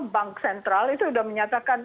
bank sentral itu sudah menyatakan